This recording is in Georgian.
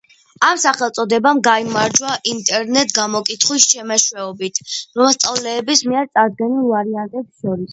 ამ სახელწოდებამ გაიმარჯვა ინტერნეტ გამოკითხვის მეშვეობით, მოსწავლეების მიერ წარდგენილ ვარიანტებს შორის.